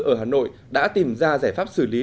ở hà nội đã tìm ra giải pháp xử lý